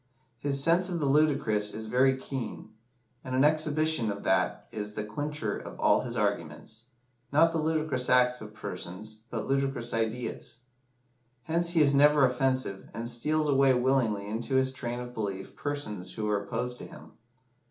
His sense of the ludicrous is very keen, and an exhibition of that is the clincher of all his arguments not the ludicrous acts of persons, but ludicrous ideas. Hence he is never offensive, and steals away willingly into his train of belief persons who were opposed to him.